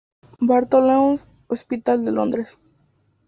Bartholomew’s Hospital de Londres.